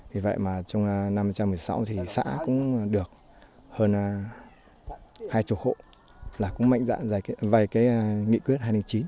vì vậy mà trong năm hai nghìn một mươi sáu thì xã cũng được hơn hai mươi hộ là cũng mạnh dạng vay cái nghị quyết hai trăm linh chín